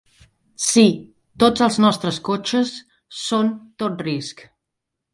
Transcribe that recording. Sí, tots els nostres cotxes són tot risc.